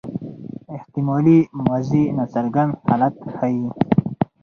احتمالي ماضي ناڅرګند حالت ښيي.